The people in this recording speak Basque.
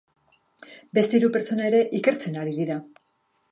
Beste hiru pertsona ere ikertzen ari dira.